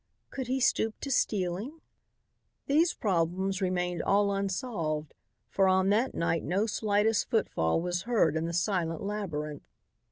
Could he stoop to stealing?" These problems remained all unsolved, for on that night no slightest footfall was heard in the silent labyrinth.